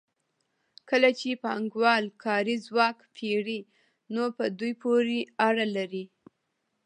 کله چې پانګوال کاري ځواک پېري نو په دوی پورې اړه لري